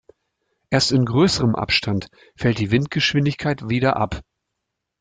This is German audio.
Erst in größerem Abstand fällt die Windgeschwindigkeit wieder ab.